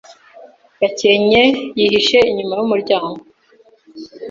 Gakenke yihishe inyuma yumuryango.